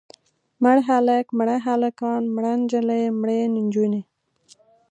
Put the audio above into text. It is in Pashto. مړ هلک، مړه هلکان، مړه نجلۍ، مړې نجونې.